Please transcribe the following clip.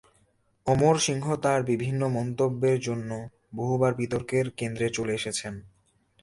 অমর সিংহ তার বিভিন্ন মন্তব্যের জন্য বহুবার বিতর্কের কেন্দ্রে চলে এসেছেন।